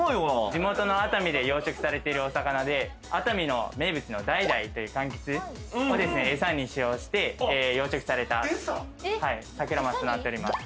地元の熱海で養殖されているお魚で熱海の名物のだいだいというかんきつを餌に使用して養殖されたサクラマスとなっております。